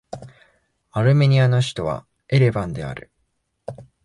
アルメニアの首都はエレバンである